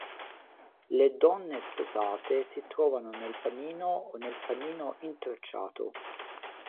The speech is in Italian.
Le donne sposate si trovano nel panino o nel panino intrecciato.